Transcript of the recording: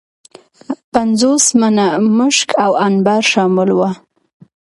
پنځوس منه مشک او عنبر شامل وه.